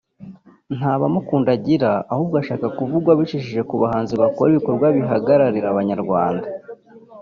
nta bamukunda agira ahubwo ashaka kuvugwa abicishije ku bahanzi bakora ibikorwa bigaragarira abanyarwanda